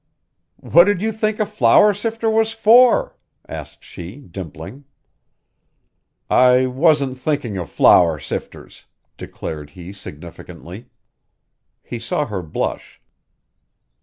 "What did you think a flour sifter was for?" asked she, dimpling. "I wasn't thinking of flour sifters," declared he significantly. He saw her blush.